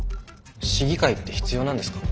市議会って必要なんですか？